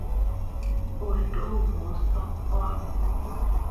Although most Oi!